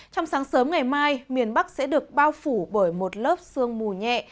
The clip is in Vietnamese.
trong sáng sớm ngày mai miền bắc sẽ được bao phủ bởi một lớp sương mù nhẹ